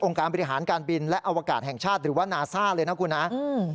การบริหารการบินและอวกาศแห่งชาติหรือว่านาซ่าเลยนะคุณฮะอืม